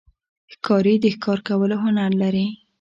ښکاري د ښکار کولو هنر لري.